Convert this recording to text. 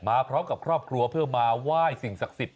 พร้อมกับครอบครัวเพื่อมาไหว้สิ่งศักดิ์สิทธิ